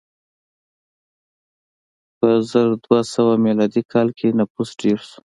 په زر دوه سوه میلادي کال کې نفوس ډېر شو.